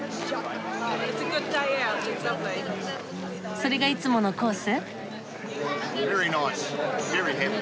それがいつものコース？